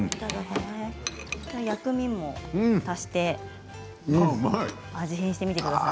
薬味を加えて味変してみてください。